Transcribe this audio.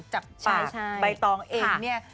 จากฝ่ายใบตองเองเนี่ย